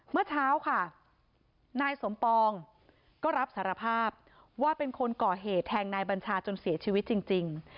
เมื่อเช้าค่ะนายสมปองก็รับสารภาพว่าเป็นคนก่อเหตุแทงนายบัญชาจนเสียชีวิตจริง